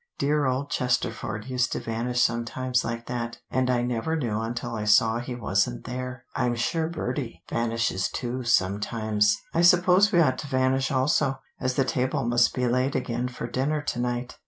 Dear old Chesterford used to vanish sometimes like that, and I never knew until I saw he wasn't there. I'm sure Bertie vanishes too sometimes. I suppose we ought to vanish also, as the table must be laid again for dinner to night."